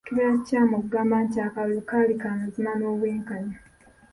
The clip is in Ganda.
Kibeera kikyamu okugamba nti akalulu kaali k'amazima n'obwenkanya.